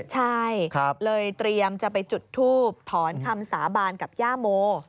ใช่เลยเตรียมจะไปจุดทูบถอนคำสาบานกับย่าโม